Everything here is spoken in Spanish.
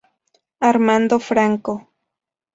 Armando Franco.